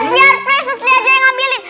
biar pres sly ajah yang ambilin